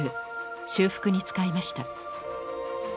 修復に使いました。